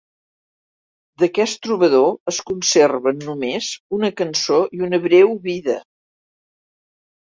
D'aquest trobador es conserven només una cançó i una breu vida.